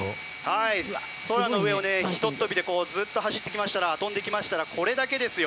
空の上をひとっ飛びでずっと走ってきましたら飛んできましたらこれだけですよ。